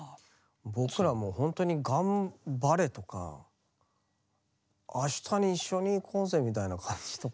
僕らもうほんとに「頑張れ」とか「明日に一緒に行こうぜ」みたいな感じとか。